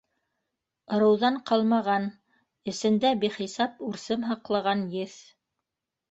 Ырыуҙан ҡалмаған, эсендә бихисап үрсем һаҡлаған еҫ!